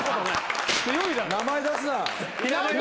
名前出すな！